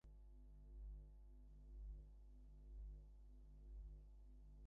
শ্রীলঙ্কা সিরিজে তাই স্থানীয় অন্য কোনো কোচকে দিয়ে কাজ চালানো হবে।